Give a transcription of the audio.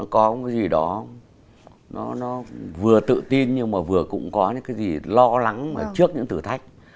nó có cái gì đó nó vừa tự tin nhưng mà vừa cũng có cái gì lo lắng trước những thử thách